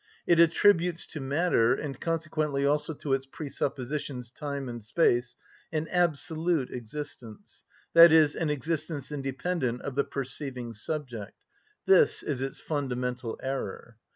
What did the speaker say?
It attributes to matter (and consequently also to its presuppositions time and space) an absolute existence, i.e., an existence independent of the perceiving subject; this is its fundamental error.